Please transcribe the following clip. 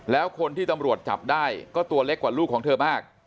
แล้วคนที่ตำรวจจับได้ก็ตัวเล็กกว่าลูกของเธอมาก